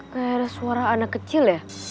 kayak suara anak kecil ya